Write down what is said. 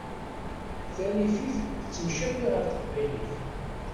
Tarifit tettemcabi ɣer teqbaylit.